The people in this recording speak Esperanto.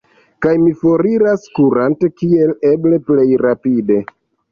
Kaj mi foriras, kurante kiel eble plej rapide.